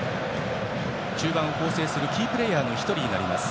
中盤を構成するキープレーヤーの１人になります。